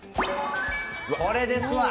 これですわ。